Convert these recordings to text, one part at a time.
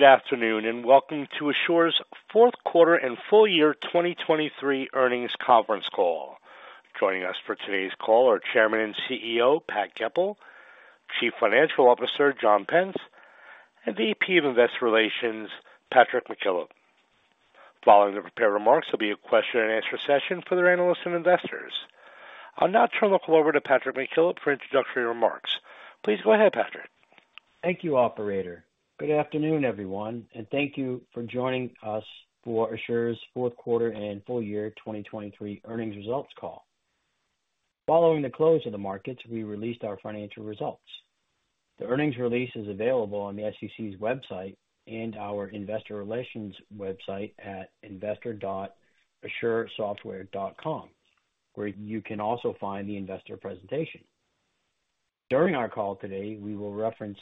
Good afternoon and welcome to Asure's fourth quarter and full year 2023 earnings conference call. Joining us for today's call are Chairman and CEO Pat Goepel, Chief Financial Officer John Pence, and VP of Investor Relations Patrick McKillop. Following the prepared remarks will be a question-and-answer session for the analysts and investors. I'll now turn the call over to Patrick McKillop for introductory remarks. Please go ahead, Patrick. Thank you, Operator. Good afternoon, everyone, and thank you for joining us for Asure's fourth quarter and full year 2023 earnings results call. Following the close of the markets, we released our financial results. The earnings release is available on the SEC's website and our investor relations website at investor.asuresoftware.com, where you can also find the investor presentation. During our call today, we will reference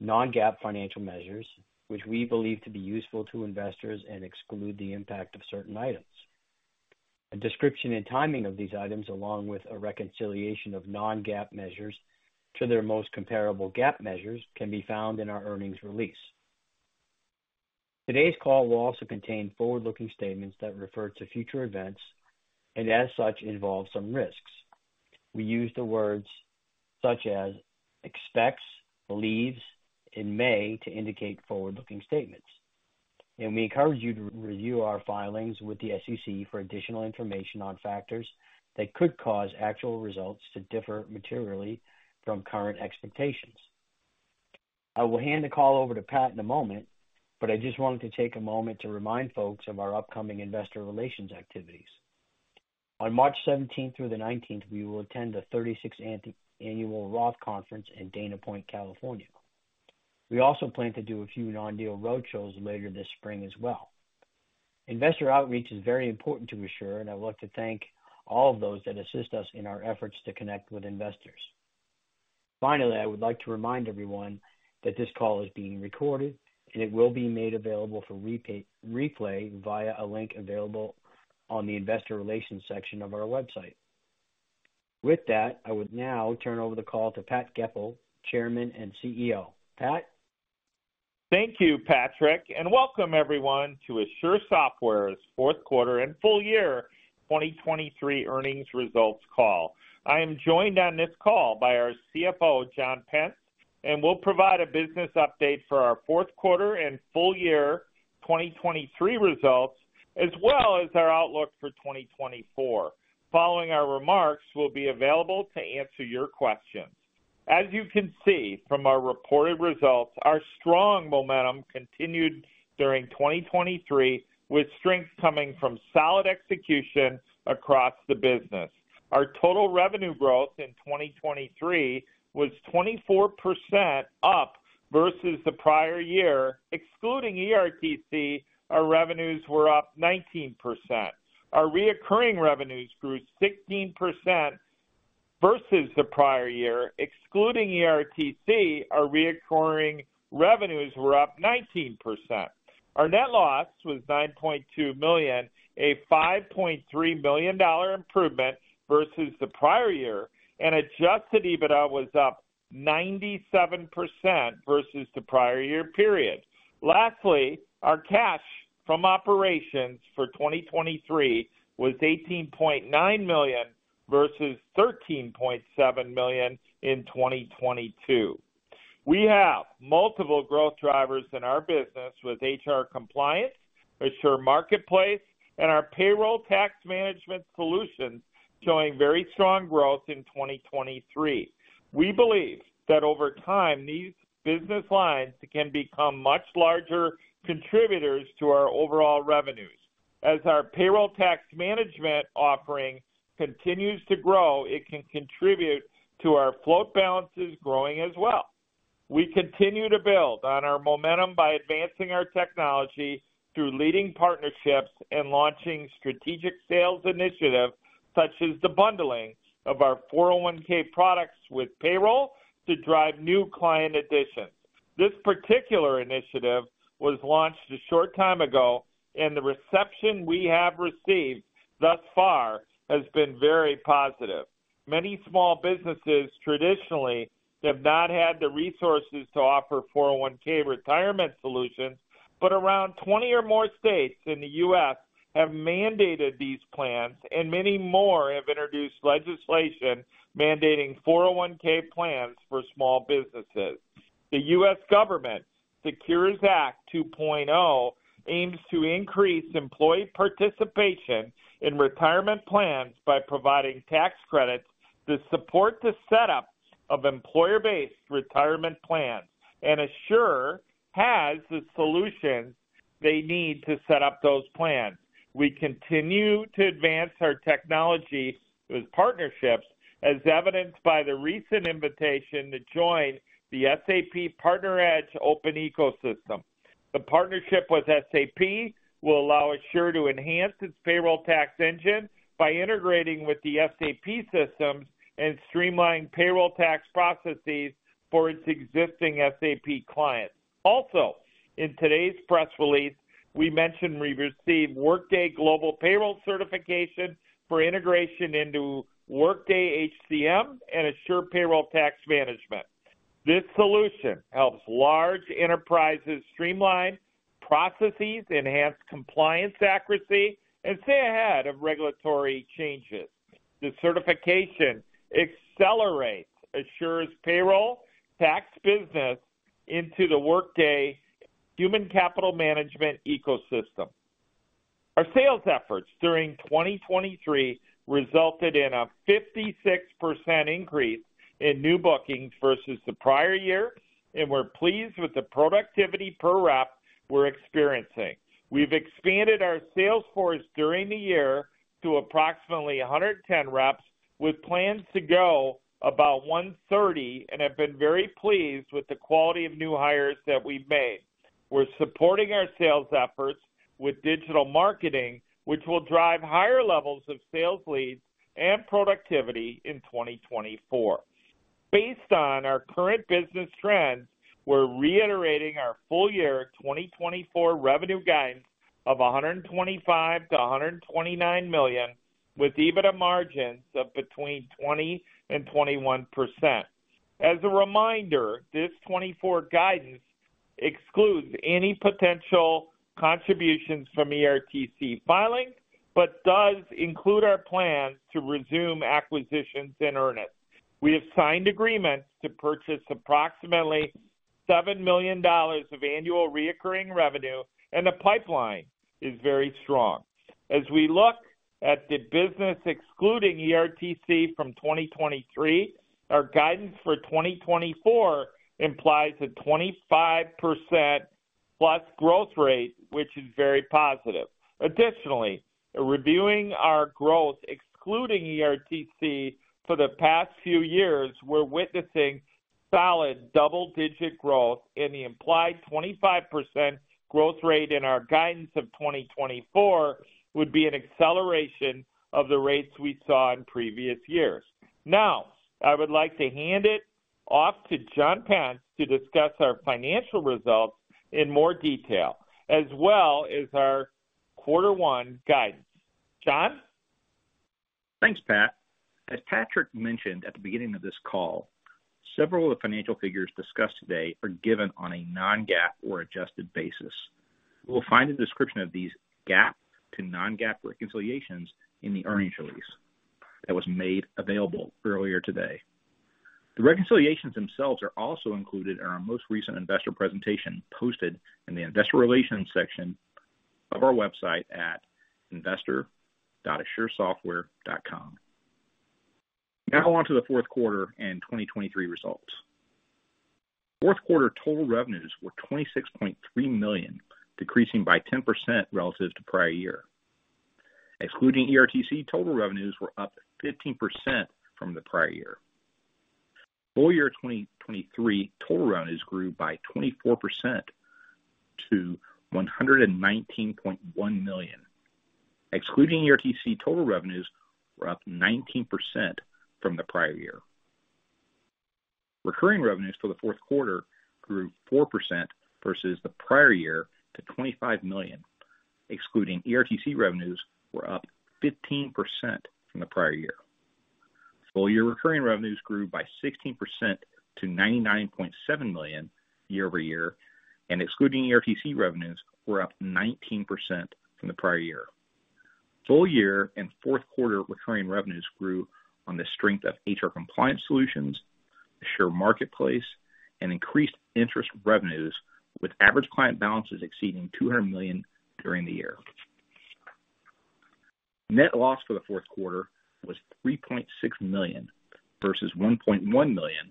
non-GAAP financial measures, which we believe to be useful to investors and exclude the impact of certain items. A description and timing of these items, along with a reconciliation of non-GAAP measures to their most comparable GAAP measures, can be found in our earnings release. Today's call will also contain forward-looking statements that refer to future events and, as such, involve some risks. We use the words such as "expects," "believes," and "may" to indicate forward-looking statements, and we encourage you to review our filings with the SEC for additional information on factors that could cause actual results to differ materially from current expectations. I will hand the call over to Pat in a moment, but I just wanted to take a moment to remind folks of our upcoming investor relations activities. On March 17 through the 19th, we will attend the 36th Annual Roth Conference in Dana Point, California. We also plan to do a few non-deal roadshows later this spring as well. Investor outreach is very important to Asure, and I'd like to thank all of those that assist us in our efforts to connect with investors. Finally, I would like to remind everyone that this call is being recorded and it will be made available for replay via a link available on the investor relations section of our website. With that, I would now turn over the call to Pat Goepel, Chairman and CEO. Pat? Thank you, Patrick, and welcome, everyone, to Asure Software's fourth quarter and full year 2023 earnings results call. I am joined on this call by our CFO John Pence, and we'll provide a business update for our fourth quarter and full year 2023 results as well as our outlook for 2024. Following our remarks, we'll be available to answer your questions. As you can see from our reported results, our strong momentum continued during 2023, with strength coming from solid execution across the business. Our total revenue growth in 2023 was 24% up versus the prior year. Excluding ERTC, our revenues were up 19%. Our recurring revenues grew 16% versus the prior year. Excluding ERTC, our recurring revenues were up 19%. Our net loss was $9.2 million, a $5.3 million improvement versus the prior year, and adjusted EBITDA was up 97% versus the prior year. Lastly, our cash from operations for 2023 was $18.9 million versus $13.7 million in 2022. We have multiple growth drivers in our business, with HR compliance, Asure Marketplace, and our payroll tax management solutions showing very strong growth in 2023. We believe that over time, these business lines can become much larger contributors to our overall revenues. As our payroll tax management offering continues to grow, it can contribute to our float balances growing as well. We continue to build on our momentum by advancing our technology through leading partnerships and launching strategic sales initiatives such as the bundling of our 401(k) products with payroll to drive new client additions. This particular initiative was launched a short time ago, and the reception we have received thus far has been very positive. Many small businesses traditionally have not had the resources to offer 401(k) retirement solutions, but around 20 or more states in the U.S. have mandated these plans, and many more have introduced legislation mandating 401(k) plans for small businesses. The U.S. Government's SECURE 2.0 Act aims to increase employee participation in retirement plans by providing tax credits to support the setup of employer-based retirement plans, and Asure has the solutions they need to set up those plans. We continue to advance our technology with partnerships, as evidenced by the recent invitation to join the SAP PartnerEdge Open Ecosystem. The partnership with SAP will allow Asure to enhance its payroll tax engine by integrating with the SAP systems and streamlining payroll tax processes for its existing SAP clients. Also, in today's press release, we mentioned we received Workday Global Payroll Certification for integration into Workday HCM and Asure Payroll Tax Management. This solution helps large enterprises streamline processes, enhance compliance accuracy, and stay ahead of regulatory changes. The certification accelerates Asure's payroll tax business into the Workday Human Capital Management ecosystem. Our sales efforts during 2023 resulted in a 56% increase in new bookings versus the prior year, and we're pleased with the productivity per rep we're experiencing. We've expanded our sales force during the year to approximately 110 reps, with plans to go about 130, and have been very pleased with the quality of new hires that we've made. We're supporting our sales efforts with digital marketing, which will drive higher levels of sales leads and productivity in 2024. Based on our current business trends, we're reiterating our full year 2024 revenue guidance of $125 million-$129 million, with EBITDA margins of between 20%-21%. As a reminder, this 2024 guidance excludes any potential contributions from ERTC filings but does include our plans to resume acquisitions and earn-outs. We have signed agreements to purchase approximately $7 million of annual recurring revenue, and the pipeline is very strong. As we look at the business excluding ERTC from 2023, our guidance for 2024 implies a 25%+ growth rate, which is very positive. Additionally, reviewing our growth excluding ERTC for the past few years, we're witnessing solid double-digit growth, and the implied 25% growth rate in our guidance for 2024 would be an acceleration of the rates we saw in previous years. Now, I would like to hand it off to John Pence to discuss our financial results in more detail, as well as our quarter one guidance. John? Thanks, Pat. As Patrick mentioned at the beginning of this call, several of the financial figures discussed today are given on a non-GAAP or adjusted basis. You will find a description of these GAAP to non-GAAP reconciliations in the earnings release that was made available earlier today. The reconciliations themselves are also included in our most recent investor presentation posted in the investor relations section of our website at investor.asuresoftware.com. Now on to the fourth quarter and 2023 results. Fourth quarter total revenues were $26.3 million, decreasing by 10% relative to prior year. Excluding ERTC, total revenues were up 15% from the prior year. Full year 2023 total revenues grew by 24% to $119.1 million. Excluding ERTC, total revenues were up 19% from the prior year. Recurring revenues for the fourth quarter grew 4% versus the prior year to $25 million. Excluding ERTC, revenues were up 15% from the prior year. Full year recurring revenues grew by 16% to $99.7 million year-over-year, and excluding ERTC, revenues were up 19% from the prior year. Full year and fourth quarter recurring revenues grew on the strength of HR compliance solutions, Asure Marketplace, and increased interest revenues, with average client balances exceeding $200 million during the year. Net loss for the fourth quarter was $3.6 million versus $1.1 million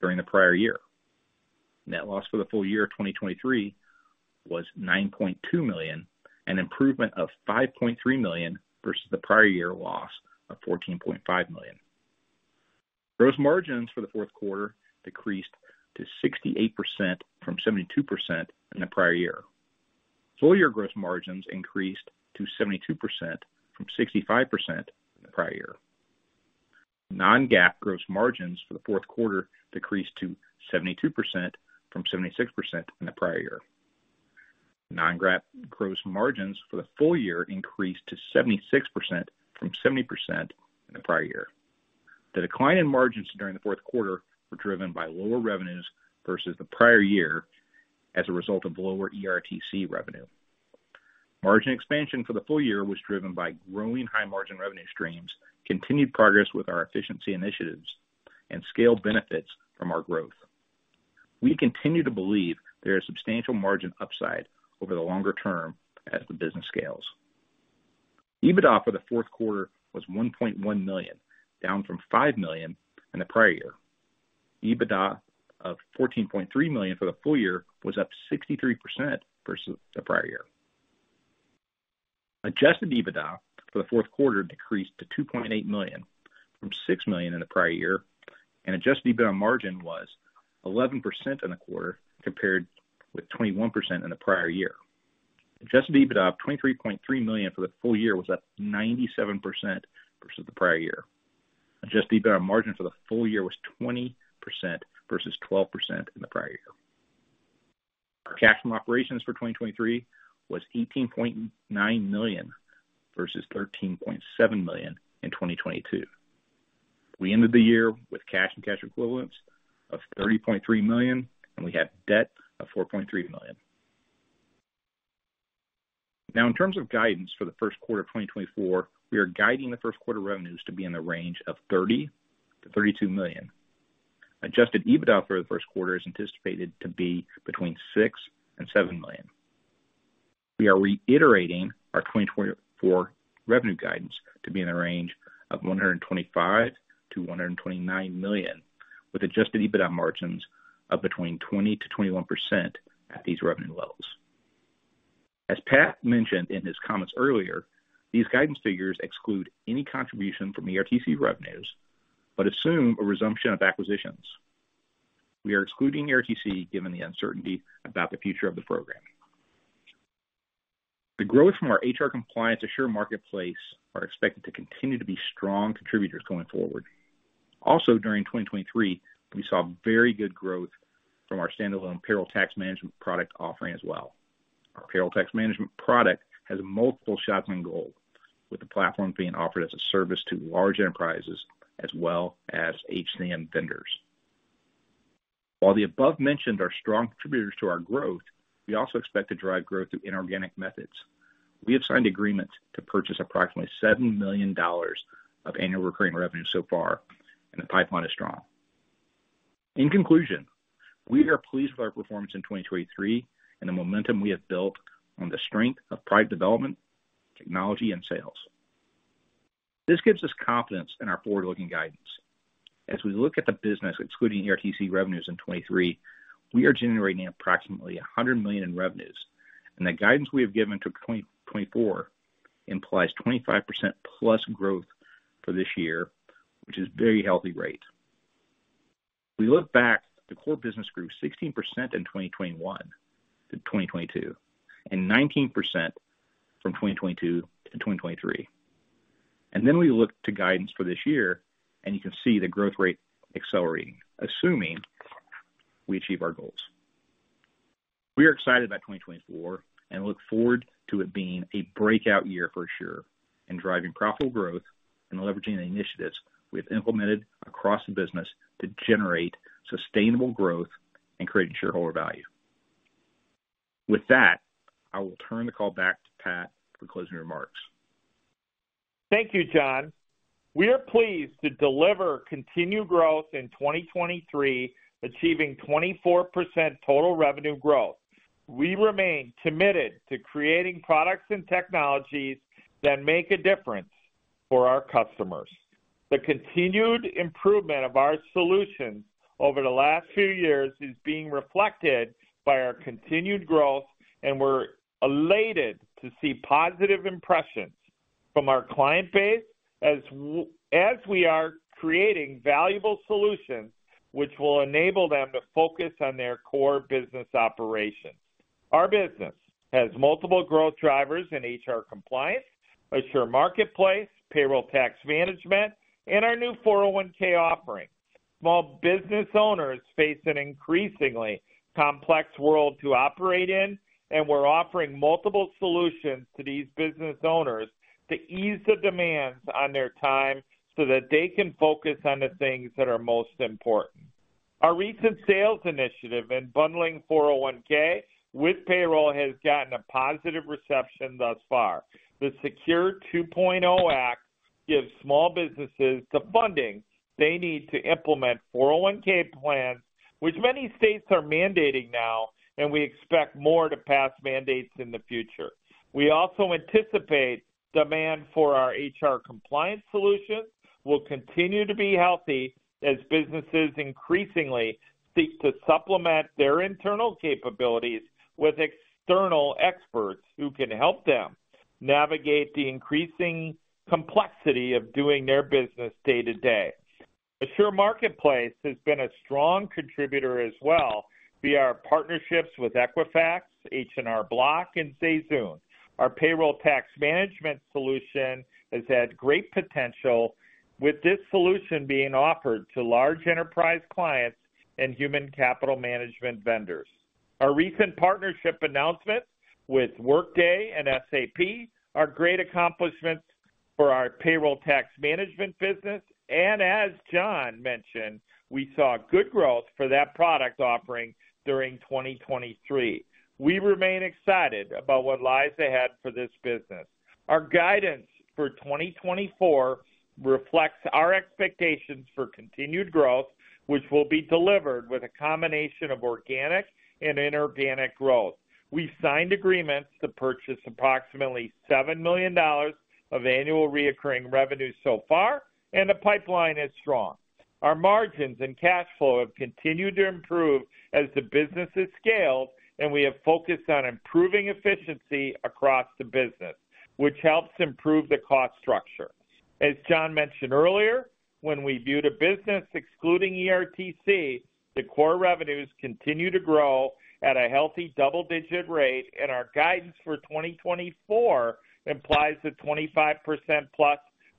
during the prior year. Net loss for the full year 2023 was $9.2 million, an improvement of $5.3 million versus the prior year loss of $14.5 million. Gross margins for the fourth quarter decreased to 68% from 72% in the prior year. Full year gross margins increased to 72% from 65% in the prior year. Non-GAAP gross margins for the fourth quarter decreased to 72% from 76% in the prior year. Non-GAAP gross margins for the full year increased to 76% from 70% in the prior year. The decline in margins during the fourth quarter was driven by lower revenues versus the prior year as a result of lower ERTC revenue. Margin expansion for the full year was driven by growing high-margin revenue streams, continued progress with our efficiency initiatives, and scale benefits from our growth. We continue to believe there is substantial margin upside over the longer term as the business scales. EBITDA for the fourth quarter was $1.1 million, down from $5 million in the prior year. EBITDA of $14.3 million for the full year was up 63% versus the prior year. adjusted EBITDA for the fourth quarter decreased to $2.8 million from $6 million in the prior year, and adjusted EBITDA margin was 11% in the quarter compared with 21% in the prior year. adjusted EBITDA of $23.3 million for the full year was up 97% versus the prior year. adjusted EBITDA margin for the full year was 20% versus 12% in the prior year. Our cash from operations for 2023 was $18.9 million versus $13.7 million in 2022. We ended the year with cash and cash equivalents of $30.3 million, and we had debt of $4.3 million. Now, in terms of guidance for the first quarter of 2024, we are guiding the first quarter revenues to be in the range of $30 million-$32 million. adjusted EBITDA for the first quarter is anticipated to be between $6 million and $7 million. We are reiterating our 2024 revenue guidance to be in the range of $125 million-$129 million, with adjusted EBITDA margins of between 20%-21% at these revenue levels. As Pat mentioned in his comments earlier, these guidance figures exclude any contribution from ERTC revenues but assume a resumption of acquisitions. We are excluding ERTC given the uncertainty about the future of the program. The growth from our HR compliance Asure Marketplace is expected to continue to be strong contributors going forward. Also, during 2023, we saw very good growth from our standalone payroll tax management product offering as well. Our payroll tax management product has multiple shots on goal, with the platform being offered as a service to large enterprises as well as HCM vendors. While the above-mentioned are strong contributors to our growth, we also expect to drive growth through inorganic methods. We have signed agreements to purchase approximately $7 million of annual recurring revenue so far, and the pipeline is strong. In conclusion, we are pleased with our performance in 2023 and the momentum we have built on the strength of product development, technology, and sales. This gives us confidence in our forward-looking guidance. As we look at the business excluding ERTC revenues in 2023, we are generating approximately $100 million in revenues, and the guidance we have given to 2024 implies 25%+ growth for this year, which is a very healthy rate. We look back at the core business group 16% in 2021-2022 and 19% from 2022-2023. And then we look to guidance for this year, and you can see the growth rate accelerating, assuming we achieve our goals. We are excited about 2024 and look forward to it being a breakout year for Asure in driving profitable growth and leveraging the initiatives we have implemented across the business to generate sustainable growth and create shareholder value. With that, I will turn the call back to Pat for closing remarks. Thank you, John. We are pleased to deliver continued growth in 2023, achieving 24% total revenue growth. We remain committed to creating products and technologies that make a difference for our customers. The continued improvement of our solutions over the last few years is being reflected by our continued growth, and we're elated to see positive impressions from our client base as we are creating valuable solutions which will enable them to focus on their core business operations. Our business has multiple growth drivers in HR compliance, Asure Marketplace, payroll tax management, and our new 401(k) offering. Small business owners face an increasingly complex world to operate in, and we're offering multiple solutions to these business owners to ease the demands on their time so that they can focus on the things that are most important. Our recent sales initiative in bundling 401(k) with payroll has gotten a positive reception thus far. The SECURE 2.0 Act gives small businesses the funding they need to implement 401(k) plans, which many states are mandating now, and we expect more to pass mandates in the future. We also anticipate demand for our HR compliance solutions will continue to be healthy as businesses increasingly seek to supplement their internal capabilities with external experts who can help them navigate the increasing complexity of doing their business day to day. Asure Marketplace has been a strong contributor as well via our partnerships with Equifax, H&R Block, and ZayZoon. Our payroll tax management solution has had great potential, with this solution being offered to large enterprise clients and human capital management vendors. Our recent partnership announcements with Workday and SAP are great accomplishments for our payroll tax management business, and as John mentioned, we saw good growth for that product offering during 2023. We remain excited about what lies ahead for this business. Our guidance for 2024 reflects our expectations for continued growth, which will be delivered with a combination of organic and inorganic growth. We've signed agreements to purchase approximately $7 million of annual recurring revenue so far, and the pipeline is strong. Our margins and cash flow have continued to improve as the business has scaled, and we have focused on improving efficiency across the business, which helps improve the cost structure. As John mentioned earlier, when we viewed a business excluding ERTC, the core revenues continue to grow at a healthy double-digit rate, and our guidance for 2024 implies a 25%+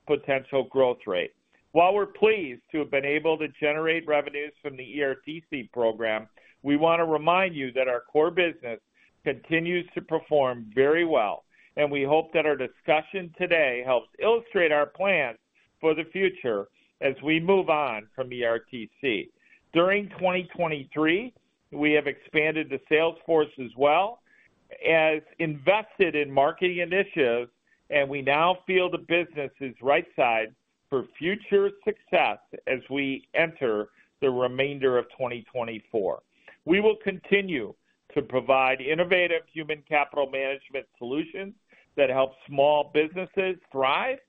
potential growth rate. While we're pleased to have been able to generate revenues from the ERTC program, we want to remind you that our core business continues to perform very well, and we hope that our discussion today helps illustrate our plans for the future as we move on from ERTC. During 2023, we have expanded the sales force as well, invested in marketing initiatives, and we now feel the business is right-sized for future success as we enter the remainder of 2024. We will continue to provide innovative human capital management solutions that help small businesses thrive,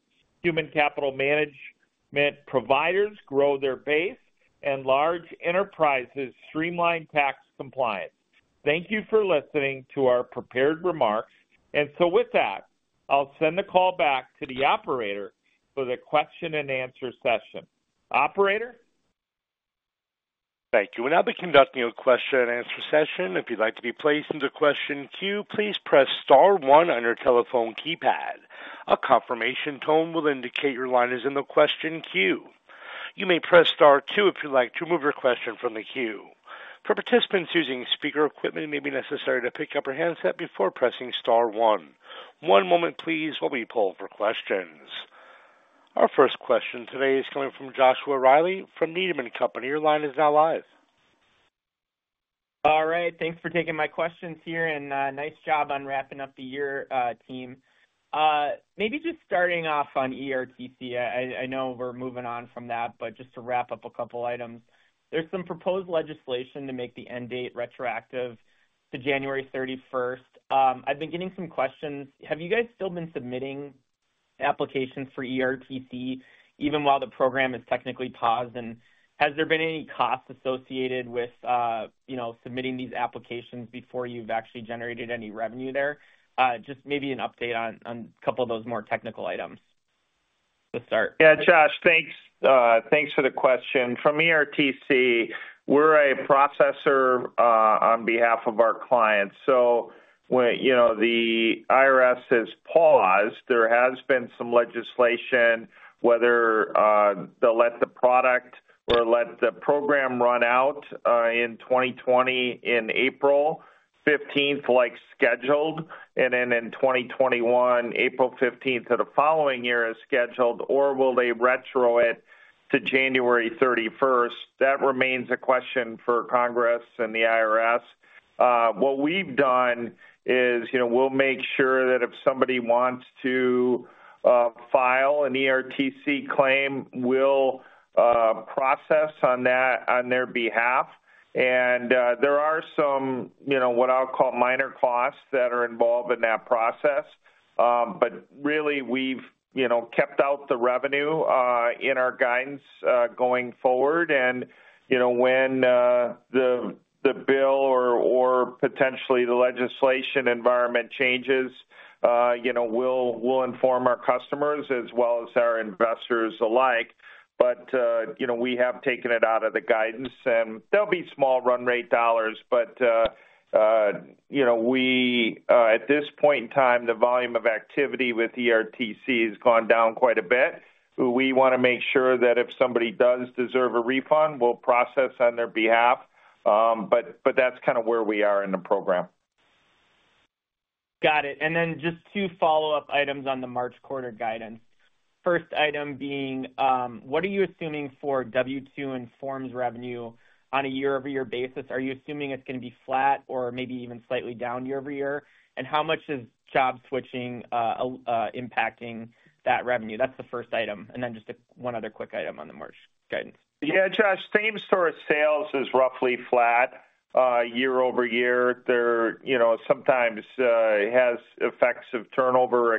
human capital management providers grow their base, and large enterprises streamline tax compliance. Thank you for listening to our prepared remarks, and so with that, I'll send the call back to the operator for the question-and-answer session. Operator? Thank you. We'll now be conducting a question-and-answer session. If you'd like to be placed into question queue, please press star one on your telephone keypad. A confirmation tone will indicate your line is in the question queue. You may press star two if you'd like to move your question from the queue. For participants using speaker equipment, it may be necessary to pick up your handset before pressing star one. One moment, please. We'll be pulling for questions. Our first question today is coming from Joshua Reilly from Needham & Company. Your line is now live. All right. Thanks for taking my questions here, and nice job on wrapping up the year, team. Maybe just starting off on ERTC. I know we're moving on from that, but just to wrap up a couple of items. There's some proposed legislation to make the end date retroactive to January 31st. I've been getting some questions. Have you guys still been submitting applications for ERTC even while the program is technically paused? And has there been any costs associated with submitting these applications before you've actually generated any revenue there? Just maybe an update on a couple of those more technical items to start. Yeah, Josh, thanks for the question. From ERTC, we're a processor on behalf of our clients. So when the IRS has paused, there has been some legislation, whether they'll let the product or let the program run out in 2020 on April 15th like scheduled, and then in 2021, April 15th of the following year as scheduled, or will they retro it to January 31st? That remains a question for Congress and the IRS. What we've done is we'll make sure that if somebody wants to file an ERTC claim, we'll process on their behalf. And there are some what I'll call minor costs that are involved in that process, but really, we've kept out the revenue in our guidance going forward. And when the bill or potentially the legislation environment changes, we'll inform our customers as well as our investors alike. But we have taken it out of the guidance, and there'll be small run-rate dollars. But at this point in time, the volume of activity with ERTC has gone down quite a bit. We want to make sure that if somebody does deserve a refund, we'll process on their behalf. But that's kind of where we are in the program. Got it. And then just two follow-up items on the March quarter guidance. First item being, what are you assuming for W-2 and forms revenue on a year-over-year basis? Are you assuming it's going to be flat or maybe even slightly down year-over-year? And how much is job switching impacting that revenue? That's the first item. And then just one other quick item on the March guidance. Yeah, Josh, same store sales is roughly flat year-over-year. Sometimes it has effects of turnover,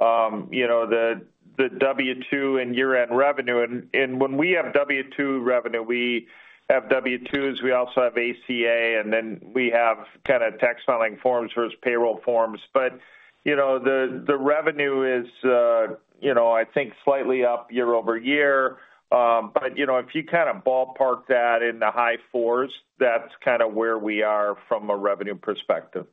etc. The W-2 and year-end revenue. When we have W-2 revenue, we have W-2s. We also have ACA, and then we have kind of tax filing forms versus payroll forms. The revenue is, I think, slightly up year-over-year. If you kind of ballpark that in the high fours, that's kind of where we are from a revenue perspective.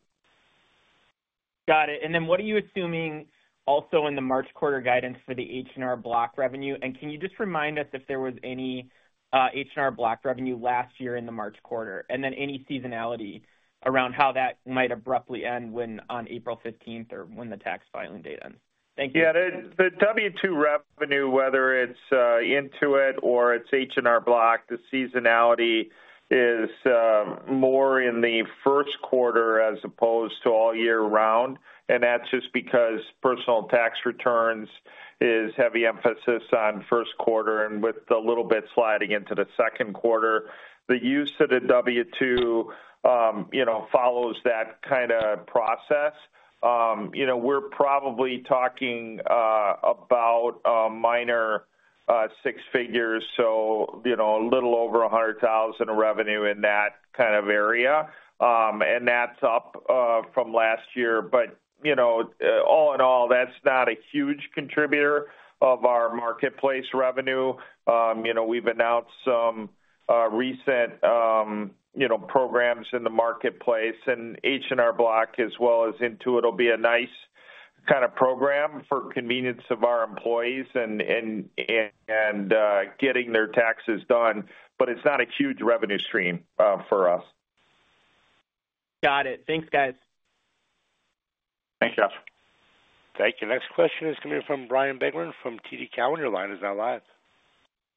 Got it. And then what are you assuming also in the March quarter guidance for the H&R Block revenue? And can you just remind us if there was any H&R Block revenue last year in the March quarter, and then any seasonality around how that might abruptly end on April 15th or when the tax filing date ends? Thank you. Yeah, the W-2 revenue, whether it's Intuit or it's H&R Block, the seasonality is more in the first quarter as opposed to all year round. And that's just because personal tax returns have a heavy emphasis on first quarter, and with the little bit sliding into the second quarter, the use of the W-2 follows that kind of process. We're probably talking about minor six figures, so a little over $100,000 in revenue in that kind of area. And that's up from last year. But all in all, that's not a huge contributor of our marketplace revenue. We've announced some recent programs in the marketplace, and H&R Block as well as Intuit will be a nice kind of program for convenience of our employees and getting their taxes done. But it's not a huge revenue stream for us. Got it. Thanks, guys. Thanks, Josh. Thank you. Next question is coming from Brian Schwartz from TD Cowen. Your line is now live.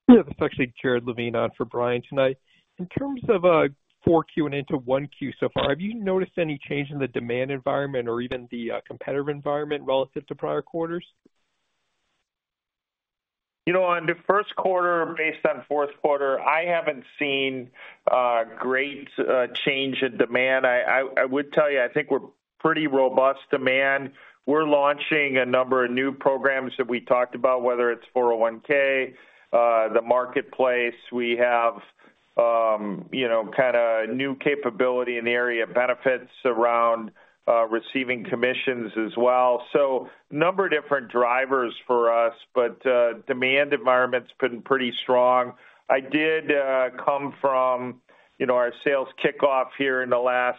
Yeah, this is actually Jared Levine on for Brian tonight. In terms of 4Q and into 1Q so far, have you noticed any change in the demand environment or even the competitive environment relative to prior quarters? On the first quarter, based on fourth quarter, I haven't seen great change in demand. I would tell you, I think we're pretty robust demand. We're launching a number of new programs that we talked about, whether it's 401(k), the marketplace. We have kind of new capability in the area of benefits around receiving commissions as well. So a number of different drivers for us, but demand environment's been pretty strong. I did come from our sales kickoff here in the last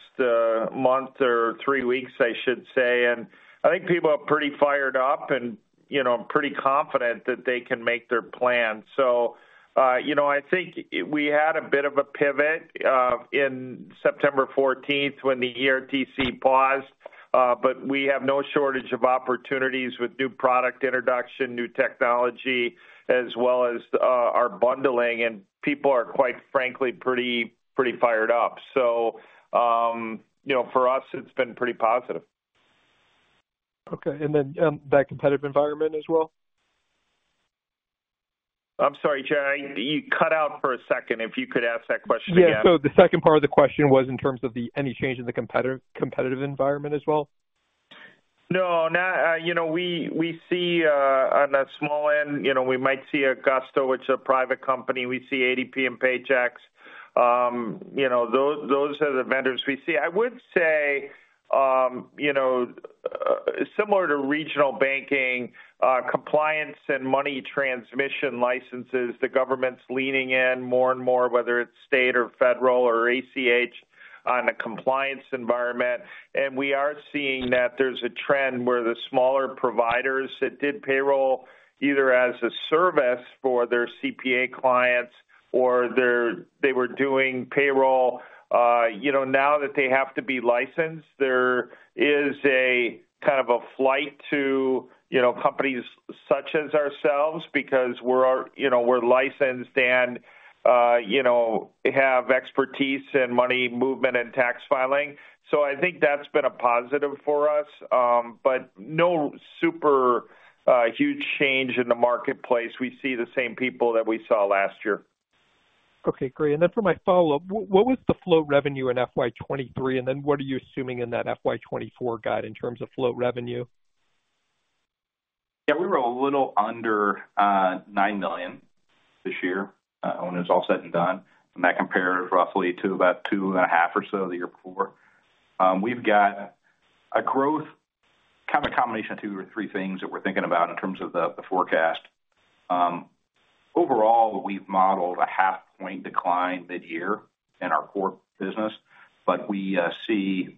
month or three weeks, I should say. And I think people are pretty fired up, and I'm pretty confident that they can make their plans. So I think we had a bit of a pivot on September 14th when the ERTC paused, but we have no shortage of opportunities with new product introduction, new technology, as well as our bundling. And people are, quite frankly, pretty fired up. For us, it's been pretty positive. Okay. And then that competitive environment as well? I'm sorry, Jared. You cut out for a second. If you could ask that question again. Yeah. So the second part of the question was in terms of any change in the competitive environment as well? No, not. We see on the small end, we might see Gusto which is a private company. We see ADP and Paychex. Those are the vendors we see. I would say, similar to regional banking, compliance and money transmission licenses, the government's leaning in more and more, whether it's state or federal or ACH, on the compliance environment. We are seeing that there's a trend where the smaller providers that did payroll either as a service for their CPA clients or they were doing payroll, now that they have to be licensed, there is kind of a flight to companies such as ourselves because we're licensed and have expertise in money movement and tax filing. So I think that's been a positive for us, but no super huge change in the marketplace. We see the same people that we saw last year. Okay. Great. And then for my follow-up, what was the float revenue in FY 2023, and then what are you assuming in that FY 2024 guide in terms of float revenue? Yeah, we were a little under $9 million this year when it was all said and done. That compares roughly to about $2.5 million or so the year before. We've got a growth kind of a combination of two or three things that we're thinking about in terms of the forecast. Overall, we've modeled a half-point decline midyear in our core business, but we see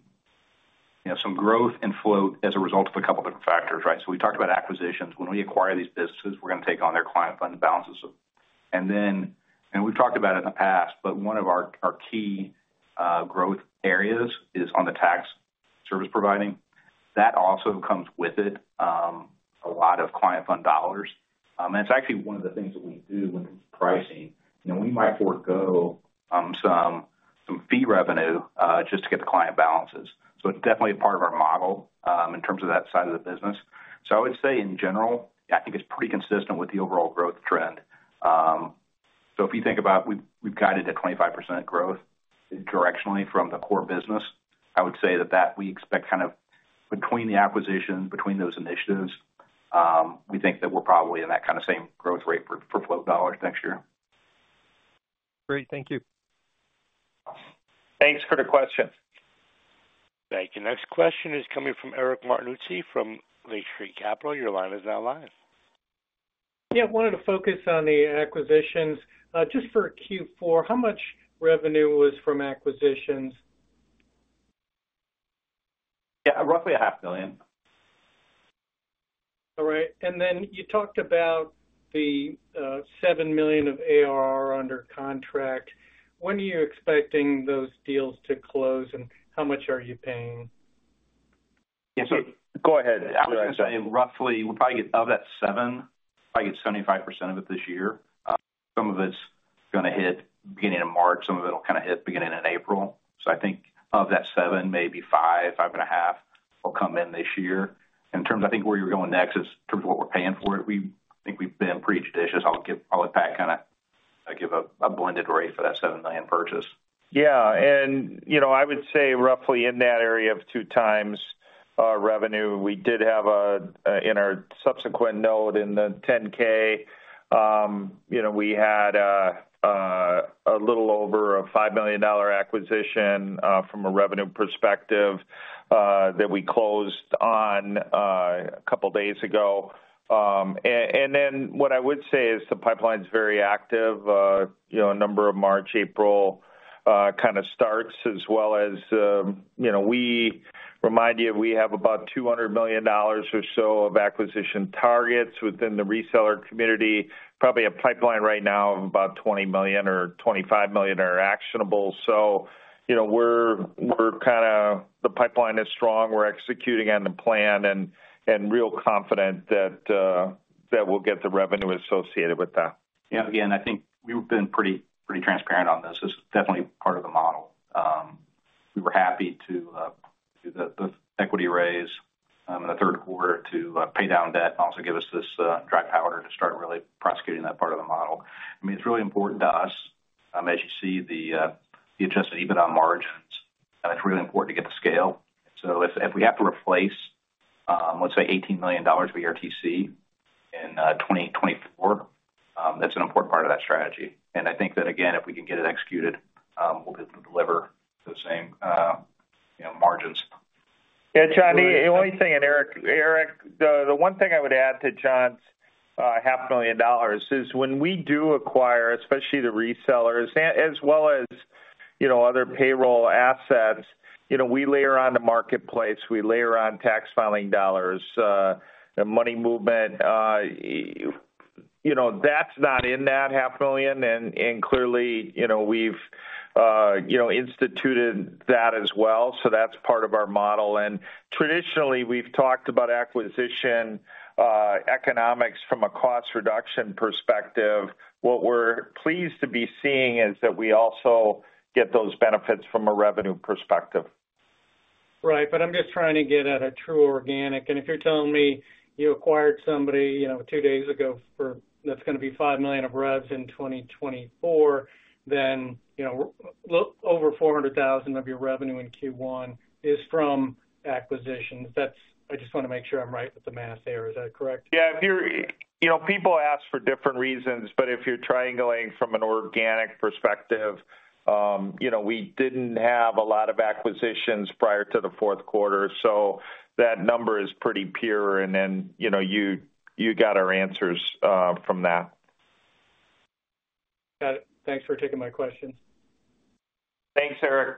some growth in float as a result of a couple of different factors, right? We talked about acquisitions. When we acquire these businesses, we're going to take on their client fund balances. We've talked about it in the past, but one of our key growth areas is on the tax service providing. That also comes with it a lot of client fund dollars. It's actually one of the things that we do when it comes to pricing. We might forgo some fee revenue just to get the client balances. It's definitely a part of our model in terms of that side of the business. I would say, in general, I think it's pretty consistent with the overall growth trend. If you think about, we've guided to 25% growth directionally from the core business. I would say that we expect kind of between the acquisitions, between those initiatives, we think that we're probably in that kind of same growth rate for float dollars next year. Great. Thank you. Thanks for the question. Thank you. Next question is coming from Eric Martinuzzi from Lake Street Capital. Your line is now live. Yeah, I wanted to focus on the acquisitions. Just for Q4, how much revenue was from acquisitions? Yeah, roughly $500,000. All right. You talked about the $7 million of ARR under contract. When are you expecting those deals to close, and how much are you paying? Yeah, so go ahead. I was going to say roughly, we'll probably get of that $7 million, probably get 75% of it this year. Some of it's going to hit beginning of March. Some of it'll kind of hit beginning of April. So I think of that $7 million, maybe $5 million-$5.5 million will come in this year. In terms of I think where you're going next is in terms of what we're paying for it, I think we've been pretty judicious. I'll let Pat kind of give a blended rate for that $7 million purchase. Yeah. And I would say roughly in that area of 2x revenue, we did have in our subsequent note in the Form 10-K, we had a little over a $5 million acquisition from a revenue perspective that we closed on a couple of days ago. And then what I would say is the pipeline's very active. A number of March, April kind of starts as well as we remind you, we have about $200 million or so of acquisition targets within the reseller community, probably a pipeline right now of about $20 million or $25 million are actionable. So we're kind of the pipeline is strong. We're executing on the plan and real confident that we'll get the revenue associated with that. Yeah, again, I think we've been pretty transparent on this. This is definitely part of the model. We were happy to do the equity raise in the third quarter to pay down debt and also give us this dry powder to start really prosecuting that part of the model. I mean, it's really important to us. As you see the adjusted EBITDA margins, it's really important to get the scale. So if we have to replace, let's say, $18 million of ERTC in 2024, that's an important part of that strategy. And I think that, again, if we can get it executed, we'll be able to deliver those same margins. Yeah, John, the only thing, and Eric, the one thing I would add to John's $500,000 is when we do acquire, especially the resellers, as well as other payroll assets, we layer on the marketplace. We layer on tax filing dollars, money movement. That's not in that $500,000. And clearly, we've instituted that as well. So that's part of our model. And traditionally, we've talked about acquisition economics from a cost reduction perspective. What we're pleased to be seeing is that we also get those benefits from a revenue perspective. Right. But I'm just trying to get at a true organic. And if you're telling me you acquired somebody two days ago that's going to be $5 million of revs in 2024, then over $400,000 of your revenue in Q1 is from acquisitions. I just want to make sure I'm right with the math there. Is that correct? Yeah. People ask for different reasons, but if you're triangulating from an organic perspective, we didn't have a lot of acquisitions prior to the fourth quarter. So that number is pretty pure. Then you got our answers from that. Got it. Thanks for taking my questions. Thanks, Eric.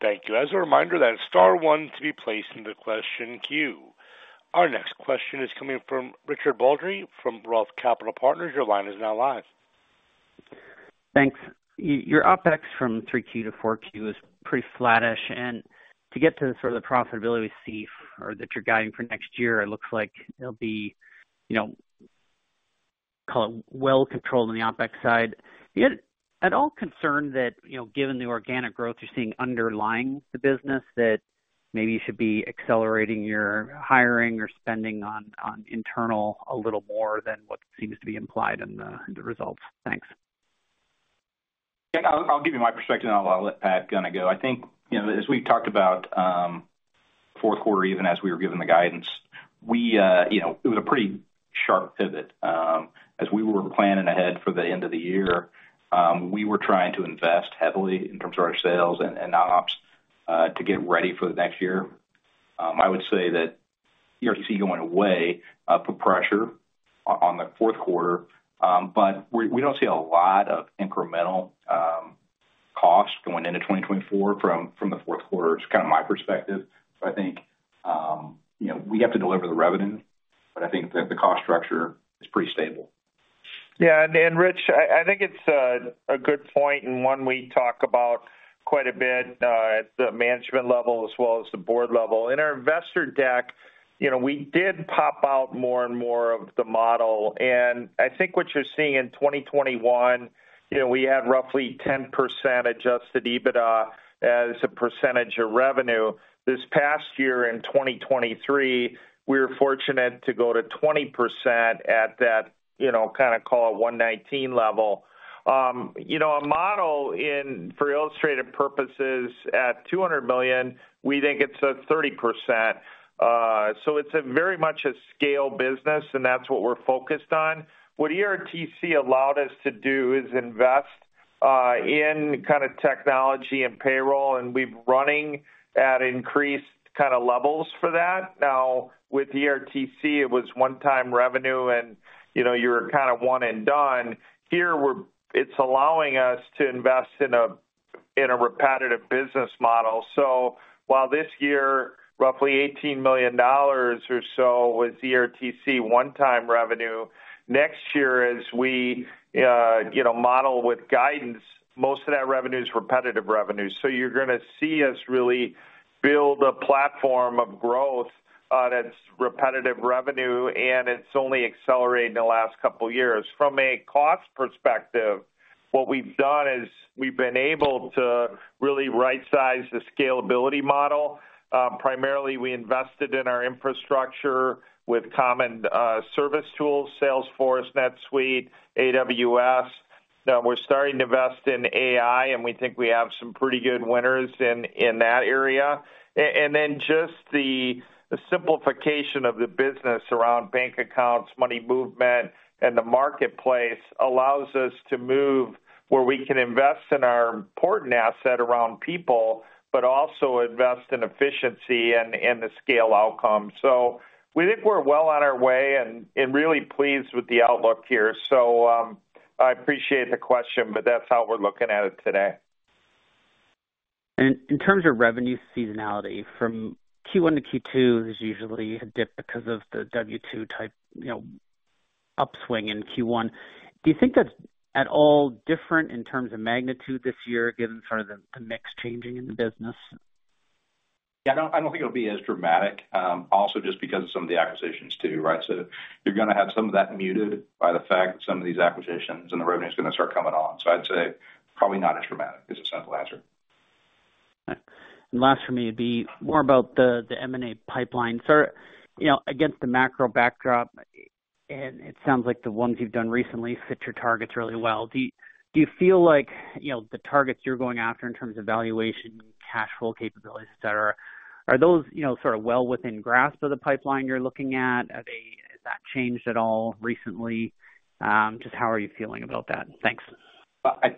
Thank you. As a reminder, that's star one to be placed in the question queue. Our next question is coming from Richard Baldry from Roth Capital Partners. Your line is now live. Thanks. Your OpEx from 3Q to 4Q is pretty flatish. To get to sort of the profitability we see or that you're guiding for next year, it looks like it'll be, call it, well-controlled on the OpEx side. Yet, is there any concern at all that, given the organic growth you're seeing underlying the business, that maybe you should be accelerating your hiring or spending internally a little more than what seems to be implied in the results? Thanks. Yeah, I'll give you my perspective, and I'll let Pat kind of go. I think as we talked about fourth quarter, even as we were given the guidance, it was a pretty sharp pivot. As we were planning ahead for the end of the year, we were trying to invest heavily in terms of our sales and ops to get ready for the next year. I would say that ERTC going away put pressure on the fourth quarter, but we don't see a lot of incremental costs going into 2024 from the fourth quarter, is kind of my perspective. So I think we have to deliver the revenue, but I think that the cost structure is pretty stable. Yeah. And Rich, I think it's a good point and one we talk about quite a bit at the management level as well as the board level. In our investor deck, we did pop out more and more of the model. And I think what you're seeing in 2021, we had roughly 10% adjusted EBITDA as a percentage of revenue. This past year in 2023, we were fortunate to go to 20% at that kind of, call it, 119 level. A model for illustrative purposes at $200 million, we think it's a 30%. So it's very much a scale business, and that's what we're focused on. What ERTC allowed us to do is invest in kind of technology and payroll, and we've running at increased kind of levels for that. Now, with ERTC, it was one-time revenue, and you were kind of one and done. Here, it's allowing us to invest in a repetitive business model. So while this year, roughly $18 million or so was ERTC one-time revenue, next year, as we model with guidance, most of that revenue is repetitive revenue. So you're going to see us really build a platform of growth that's repetitive revenue, and it's only accelerated in the last couple of years. From a cost perspective, what we've done is we've been able to really right-size the scalability model. Primarily, we invested in our infrastructure with common service tools, Salesforce, NetSuite, AWS. Now, we're starting to invest in AI, and we think we have some pretty good winners in that area. Then just the simplification of the business around bank accounts, money movement, and the marketplace allows us to move where we can invest in our important asset around people, but also invest in efficiency and the scale outcome. We think we're well on our way and really pleased with the outlook here. I appreciate the question, but that's how we're looking at it today. And in terms of revenue seasonality, from Q1 to Q2, there's usually a dip because of the W-2-type upswing in Q1. Do you think that's at all different in terms of magnitude this year, given sort of the mix changing in the business? Yeah, I don't think it'll be as dramatic, also just because of some of the acquisitions too, right? So you're going to have some of that muted by the fact that some of these acquisitions and the revenue is going to start coming on. So I'd say probably not as dramatic is a simple answer. Okay. Last for me would be more about the M&A pipeline. Against the macro backdrop, and it sounds like the ones you've done recently fit your targets really well. Do you feel like the targets you're going after in terms of valuation, cash flow capabilities, etc., are those sort of well within grasp of the pipeline you're looking at? Has that changed at all recently? Just how are you feeling about that? Thanks. I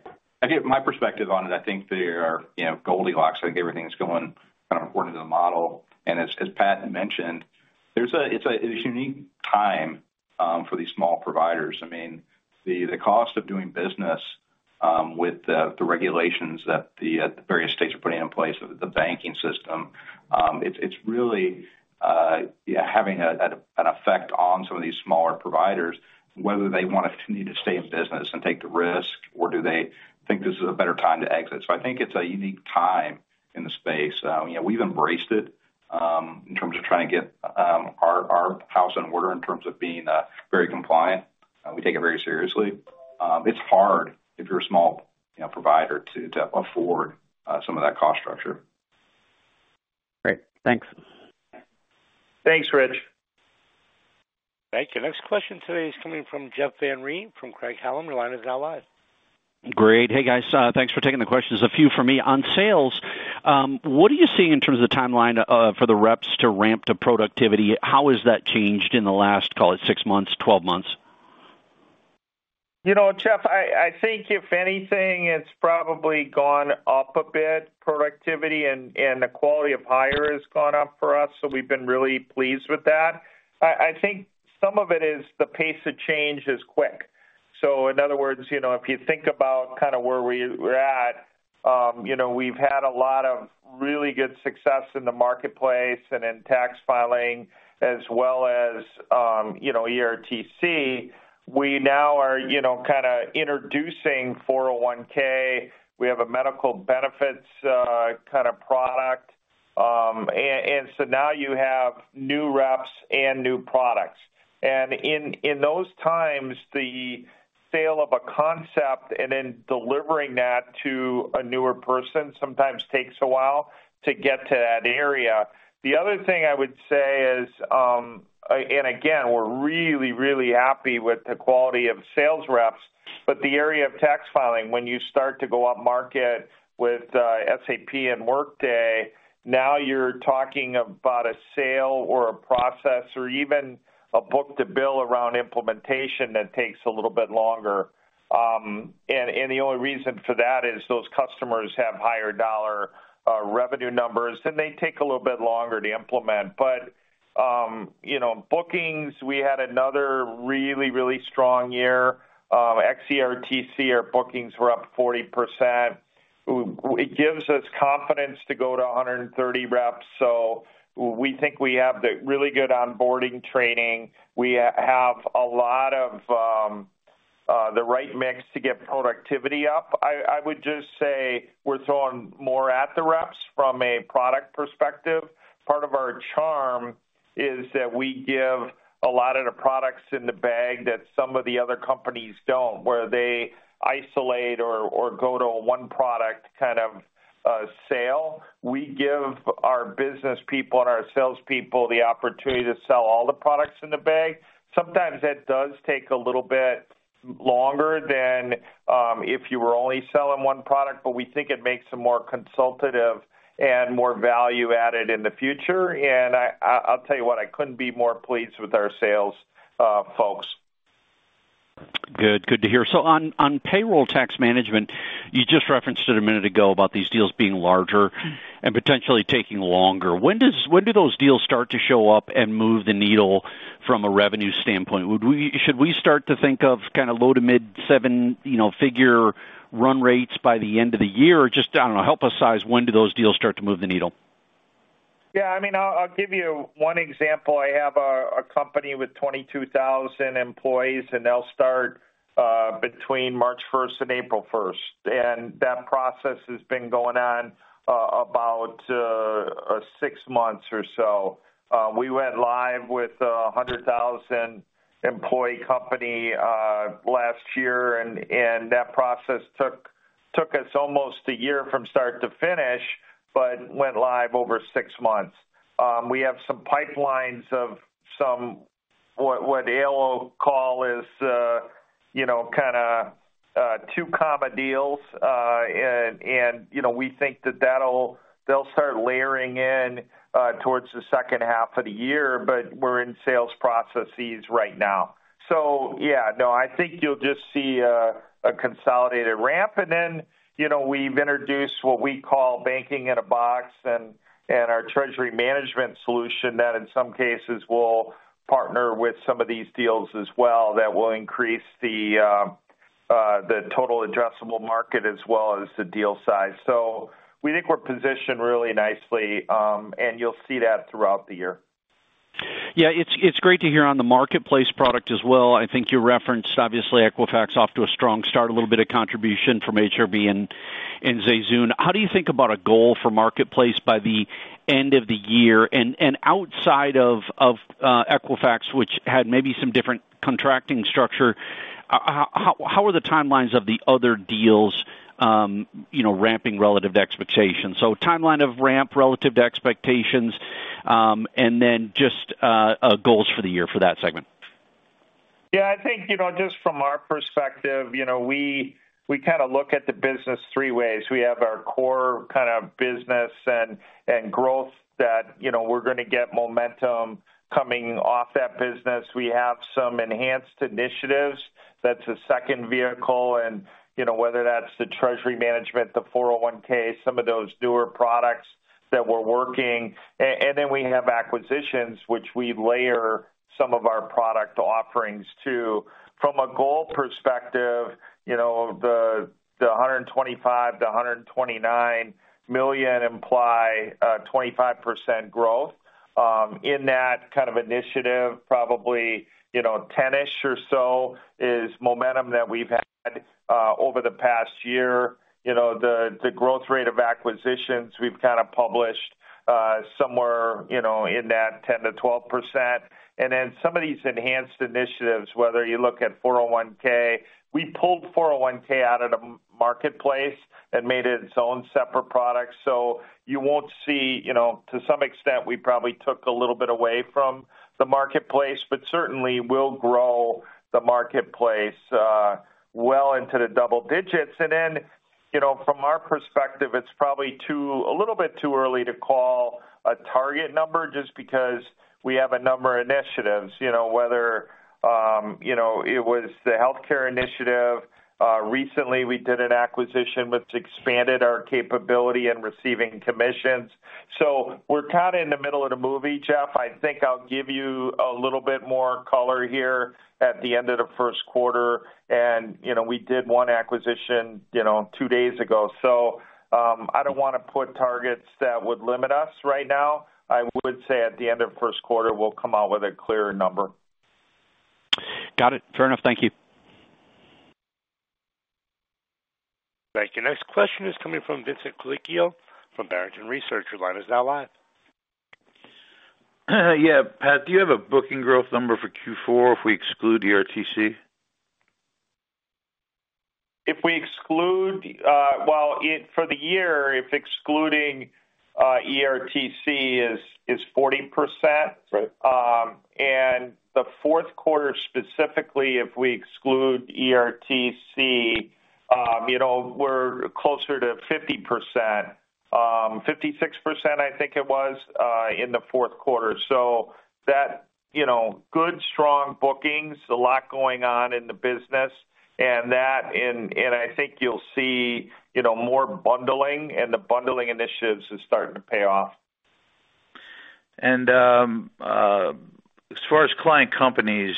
get my perspective on it. I think there are Goldilocks. I think everything's going kind of according to the model. And as Pat mentioned, it's a unique time for these small providers. I mean, the cost of doing business with the regulations that the various states are putting in place, the banking system, it's really having an effect on some of these smaller providers, whether they want to need to stay in business and take the risk, or do they think this is a better time to exit. So I think it's a unique time in the space. We've embraced it in terms of trying to get our house in order in terms of being very compliant. We take it very seriously. It's hard if you're a small provider to afford some of that cost structure. Great. Thanks. Thanks, Rich. Thank you. Next question today is coming from Jeff Van Rhee from Craig-Hallum. Your line is now live. Great. Hey, guys. Thanks for taking the questions. A few for me. On sales, what are you seeing in terms of the timeline for the reps to ramp to productivity? How has that changed in the last, call it, six months, 12 months? Jeff, I think if anything, it's probably gone up a bit. Productivity and the quality of hire has gone up for us, so we've been really pleased with that. I think some of it is the pace of change is quick. So in other words, if you think about kind of where we're at, we've had a lot of really good success in the marketplace and in tax filing as well as ERTC. We now are kind of introducing 401(k). We have a medical benefits kind of product. And so now you have new reps and new products. And in those times, the sale of a concept and then delivering that to a newer person sometimes takes a while to get to that area. The other thing I would say is, and again, we're really, really happy with the quality of sales reps, but the area of tax filing, when you start to go up market with SAP and Workday, now you're talking about a sale or a process or even a book-to-bill around implementation that takes a little bit longer. And the only reason for that is those customers have higher dollar revenue numbers, and they take a little bit longer to implement. But bookings, we had another really, really strong year. Ex-ERTC, our bookings were up 40%. It gives us confidence to go to 130 reps. So we think we have the really good onboarding training. We have a lot of the right mix to get productivity up. I would just say we're throwing more at the reps from a product perspective. Part of our charm is that we give a lot of the products in the bag that some of the other companies don't, where they isolate or go to a one-product kind of sale. We give our business people and our salespeople the opportunity to sell all the products in the bag. Sometimes that does take a little bit longer than if you were only selling one product, but we think it makes some more consultative and more value added in the future. And I'll tell you what, I couldn't be more pleased with our sales folks. Good. Good to hear. So on payroll tax management, you just referenced it a minute ago about these deals being larger and potentially taking longer. When do those deals start to show up and move the needle from a revenue standpoint? Should we start to think of kind of low to mid-seven-figure run rates by the end of the year? Just, I don't know, help us size when do those deals start to move the needle? Yeah. I mean, I'll give you one example. I have a company with 22,000 employees, and they'll start between March 1st and April 1st. That process has been going on about six months or so. We went live with a 100,000-employee company last year, and that process took us almost a year from start to finish, but went live over six months. We have some pipelines of some what I'll call is kind of two-comma deals. We think that they'll start layering in towards the second half of the year, but we're in sales processes right now. So yeah, no, I think you'll just see a consolidated ramp. Then we've introduced what we call banking in a box and our treasury management solution that in some cases will partner with some of these deals as well that will increase the total addressable market as well as the deal size. We think we're positioned really nicely, and you'll see that throughout the year. Yeah. It's great to hear on the marketplace product as well. I think you referenced, obviously, Equifax off to a strong start, a little bit of contribution from HRB and ZayZoon. How do you think about a goal for marketplace by the end of the year? And outside of Equifax, which had maybe some different contracting structure, how are the timelines of the other deals ramping relative to expectations? So timeline of ramp relative to expectations, and then just goals for the year for that segment. Yeah. I think just from our perspective, we kind of look at the business three ways. We have our core kind of business and growth that we're going to get momentum coming off that business. We have some enhanced initiatives. That's the second vehicle. And whether that's the treasury management, the 401(k), some of those newer products that we're working. And then we have acquisitions, which we layer some of our product offerings to. From a goal perspective, the $125 million-$129 million imply 25% growth. In that kind of initiative, probably 10-ish% or so is momentum that we've had over the past year. The growth rate of acquisitions, we've kind of published somewhere in that 10%-12%. And then some of these enhanced initiatives, whether you look at 401(k), we pulled 401(k) out of the marketplace and made it its own separate product. So you won't see, to some extent, we probably took a little bit away from the marketplace, but certainly will grow the marketplace well into the double digits. And then from our perspective, it's probably a little bit too early to call a target number just because we have a number of initiatives, whether it was the healthcare initiative. Recently, we did an acquisition which expanded our capability in receiving commissions. So we're kind of in the middle of the movie, Jeff. I think I'll give you a little bit more color here at the end of the first quarter. And we did one acquisition two days ago. So I don't want to put targets that would limit us right now. I would say at the end of the first quarter, we'll come out with a clearer number. Got it. Fair enough. Thank you. Thank you. Next question is coming from Vincent Colicchio from Barrington Research. Your line is now live. Yeah. Pat, do you have a booking growth number for Q4 if we exclude ERTC? If we exclude, well, for the year, if excluding ERTC is 40%. And the fourth quarter specifically, if we exclude ERTC, we're closer to 50%, 56%, I think it was in the fourth quarter. So good, strong bookings, a lot going on in the business. And I think you'll see more bundling, and the bundling initiatives are starting to pay off. As far as client companies,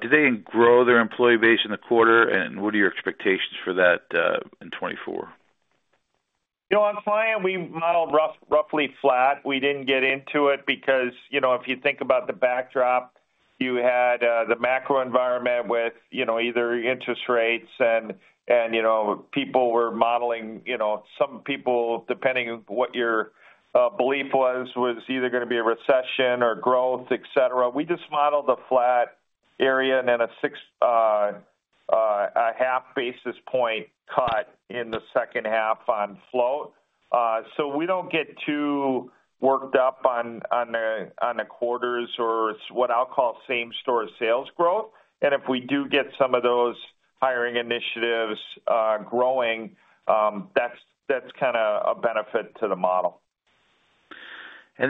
do they grow their employee base in the quarter, and what are your expectations for that in 2024? On client, we modeled roughly flat. We didn't get into it because if you think about the backdrop, you had the macro environment with either interest rates and people were modeling some people, depending on what your belief was, was either going to be a recession or growth, etc. We just modeled a flat area and then a half basis point cut in the second half on float. So we don't get too worked up on the quarters or what I'll call same-store sales growth. And if we do get some of those hiring initiatives growing, that's kind of a benefit to the model. Do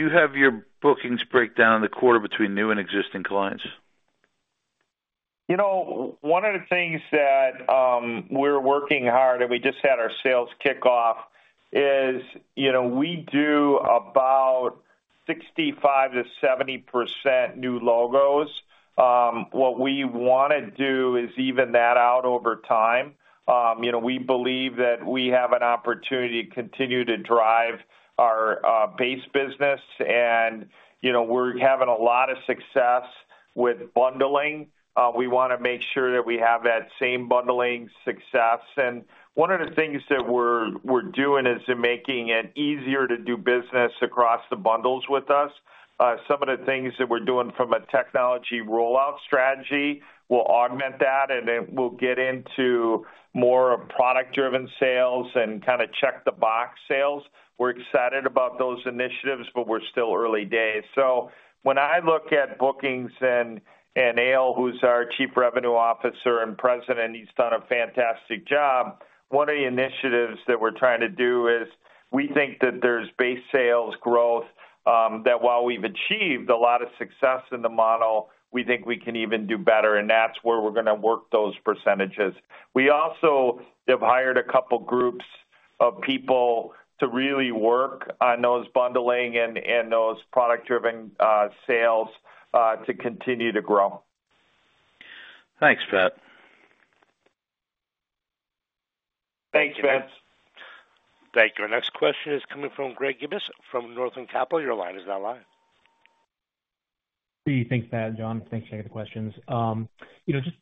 you have your bookings breakdown in the quarter between new and existing clients? One of the things that we're working hard, and we just had our sales kickoff, is we do about 65%-70% new logos. What we want to do is even that out over time. We believe that we have an opportunity to continue to drive our base business, and we're having a lot of success with bundling. We want to make sure that we have that same bundling success. And one of the things that we're doing is making it easier to do business across the bundles with us. Some of the things that we're doing from a technology rollout strategy will augment that, and then we'll get into more of product-driven sales and kind of check-the-box sales. We're excited about those initiatives, but we're still early days. So when I look at bookings and Eyal, who's our Chief Revenue Officer and President, he's done a fantastic job. One of the initiatives that we're trying to do is we think that there's base sales growth that while we've achieved a lot of success in the model, we think we can even do better. And that's where we're going to work those percentages. We also have hired a couple of groups of people to really work on those bundling and those product-driven sales to continue to grow. Thanks, Pat. Thanks, Vincent. Thank you. Our next question is coming from Greg Gibas from Northland Capital. Your line is now live. Hey, thanks, Pat. John, thanks for taking the questions.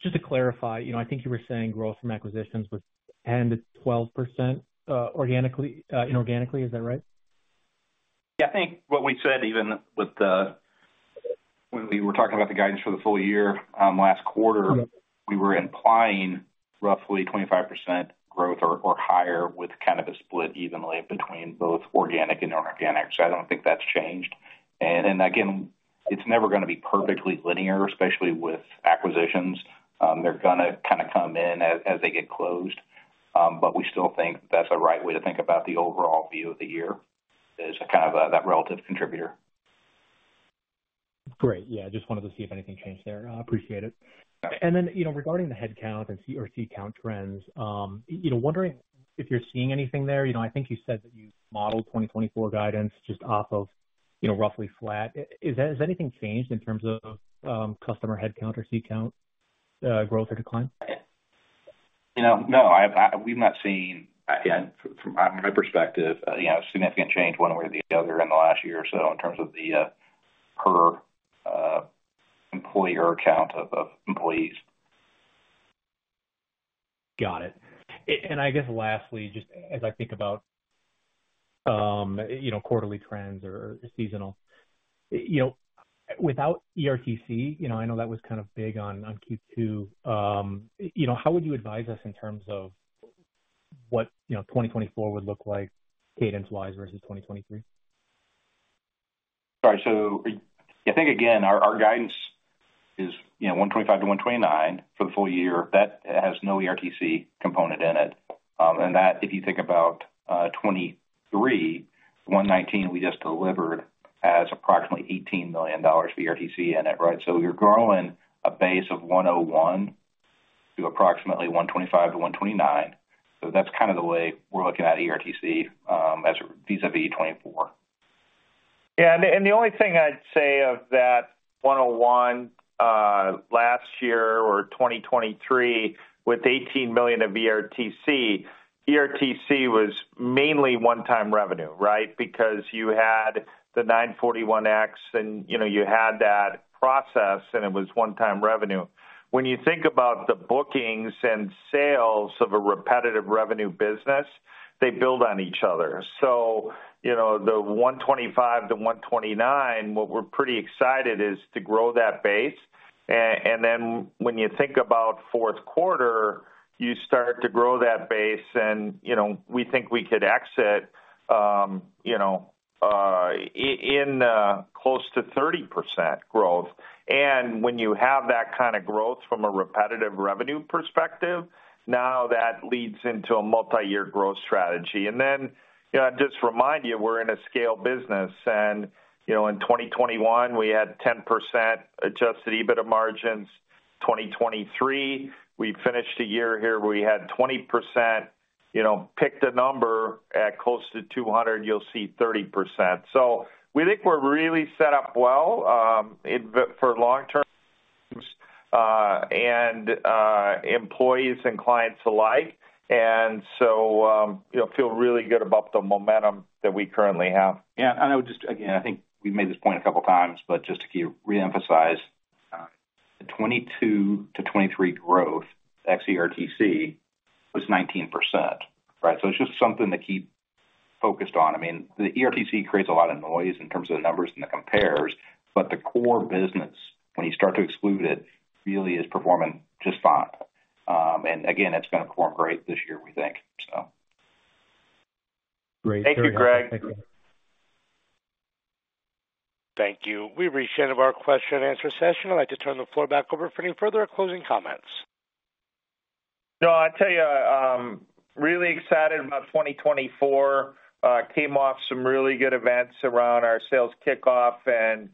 Just to clarify, I think you were saying growth from acquisitions was 10%-12% inorganically. Is that right? Yeah. I think what we said even when we were talking about the guidance for the full year last quarter, we were implying roughly 25% growth or higher with kind of a split evenly between both organic and inorganic. So I don't think that's changed. And again, it's never going to be perfectly linear, especially with acquisitions. They're going to kind of come in as they get closed. But we still think that that's a right way to think about the overall view of the year is kind of that relative contributor. Great. Yeah. I just wanted to see if anything changed there. Appreciate it. And then regarding the headcount and sales rep count trends, wondering if you're seeing anything there. I think you said that you modeled 2024 guidance just off of roughly flat. Has anything changed in terms of customer headcount or seat count growth or decline? No. We've not seen, from my perspective, significant change one way or the other in the last year or so in terms of the per-employee error count of employees. Got it. I guess lastly, just as I think about quarterly trends or seasonal, without ERTC, I know that was kind of big on Q2. How would you advise us in terms of what 2024 would look like cadence-wise versus 2023? All right. So I think, again, our guidance is 125-129 for the full year. That has no ERTC component in it. And that, if you think about 2023, 119 we just delivered has approximately $18 million of ERTC in it, right? So you're growing a base of 101 to approximately 125-129. So that's kind of the way we're looking at ERTC vis-à-vis 2024. Yeah. And the only thing I'd say of that $101 last year or 2023 with $18 million of ERTC, ERTC was mainly one-time revenue, right? Because you had the 941-X,, and you had that process, and it was one-time revenue. When you think about the bookings and sales of a repetitive revenue business, they build on each other. So the $125-$129, what we're pretty excited is to grow that base. And then when you think about fourth quarter, you start to grow that base, and we think we could exit in close to 30% growth. And when you have that kind of growth from a repetitive revenue perspective, now that leads into a multi-year growth strategy. And then I'd just remind you, we're in a scale business. And in 2021, we had 10% adjusted EBITDA margins. 2023, we finished a year here where we had 20%. Pick the number at close to 200, you'll see 30%. So we think we're really set up well for long-term and employees and clients alike. And so I feel really good about the momentum that we currently have. Yeah. And I would just again, I think we've made this point a couple of times, but just to reemphasize, the 2022 to 2023 growth ex-ERTC was 19%, right? So it's just something to keep focused on. I mean, the ERTC creates a lot of noise in terms of the numbers and the compares, but the core business, when you start to exclude it, really is performing just fine. And again, it's going to perform great this year, we think, so. Great. Thank you, Greg. Thank you. Thank you. We've reached the end of our question-and-answer session. I'd like to turn the floor back over for any further or closing comments. No, I'll tell you, really excited about 2024. Came off some really good events around our sales kickoff, and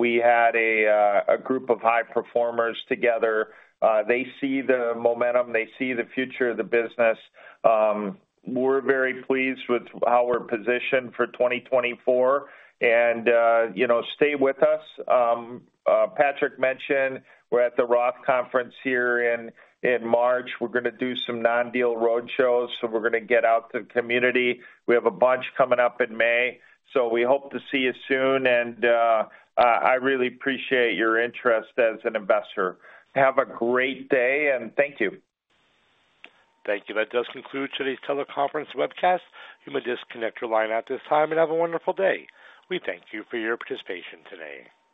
we had a group of high performers together. They see the momentum. They see the future of the business. We're very pleased with how we're positioned for 2024. And stay with us. Patrick mentioned we're at the Roth Conference here in March. We're going to do some non-deal roadshows, so we're going to get out to the community. We have a bunch coming up in May. So we hope to see you soon. And I really appreciate your interest as an investor. Have a great day, and thank you. Thank you. That does conclude today's teleconference webcast. You may disconnect your line at this time and have a wonderful day. We thank you for your participation today.